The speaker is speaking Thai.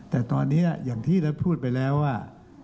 แต่ตอนนี้อย่างที่เราพูดไปแล้วว่า